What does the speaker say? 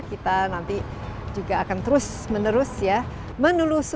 kita nanti akan terus menerus